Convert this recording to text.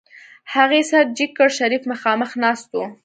هغې سر جګ کړ شريف مخاخ ناست و.